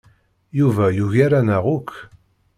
Yuba yugar-aneɣ akk.